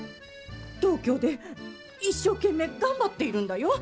東京で一生懸命頑張っているんだよ。